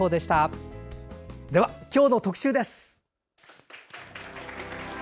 では、今日の特集です。